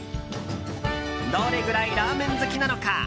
どのぐらいラーメン好きなのか。